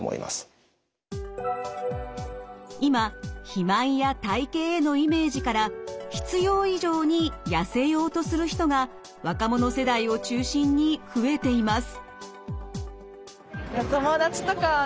今肥満や体型へのイメージから必要以上にやせようとする人が若者世代を中心に増えています。